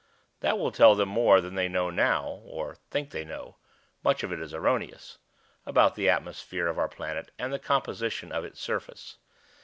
That will tell them more than they know now (or think they know; much of it is erroneous) about the atmosphere of our planet and the composition of its surface.